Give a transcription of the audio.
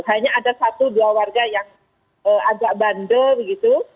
hanya ada satu dua warga yang agak bandel begitu